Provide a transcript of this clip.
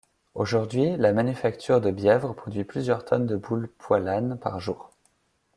Aujourd'hui, la manufacture de Bièvres produit plusieurs tonnes de boules Poilâne par jour.